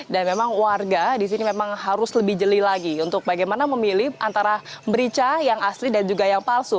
dan memang warga di sini memang harus lebih jeli lagi untuk bagaimana memilih antara merica yang asli dan juga yang palsu